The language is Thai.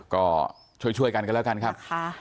ก็ช่วยกันกันแล้วกันครับ